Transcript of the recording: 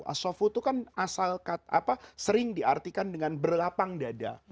asofu itu kan asalkan apa sering diartikan dengan berlapang dada